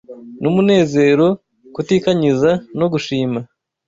numunezero kutikanyiza no gushima.